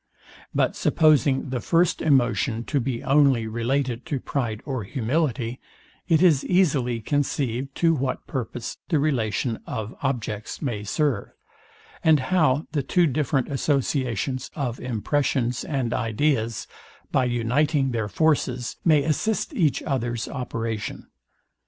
But supposing the first emotion to be only related to pride or humility, it is easily conceived to what purpose the relation of objects may serve, and how the two different associations, of impressions and ideas, by uniting their forces, may assist each other's operation.